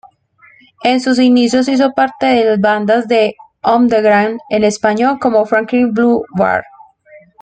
En sus inicios hizo parte de bandas del "underground" español como "Franklin Blue Bar".